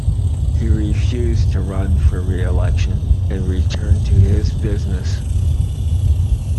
He refused to run for reelection, and returned to his business.